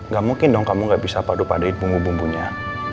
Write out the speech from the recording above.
gak mungkin dong kamu nggak bisa padu padain bumbu bumbunya